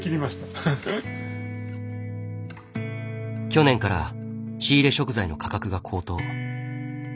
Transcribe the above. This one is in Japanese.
去年から仕入れ食材の価格が高騰。